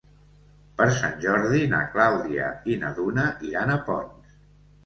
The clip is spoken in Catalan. Per Sant Jordi na Clàudia i na Duna iran a Ponts.